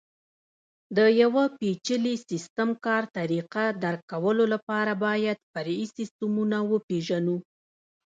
د یوه پېچلي سیسټم کار طریقه درک کولو لپاره باید فرعي سیسټمونه وپېژنو.